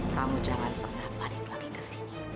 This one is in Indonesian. kamu jangan pernah balik lagi ke sini